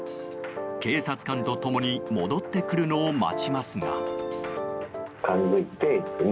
警察官と共に戻ってくるのを待ちますが。